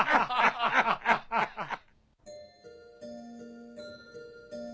ハハハハ。